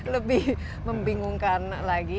lebih membingungkan lagi